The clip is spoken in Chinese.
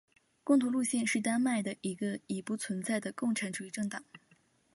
共同路线是丹麦的一个已不存在的共产主义政党。